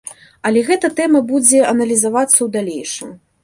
Але гэта тэма будзе аналізавацца ў далейшым.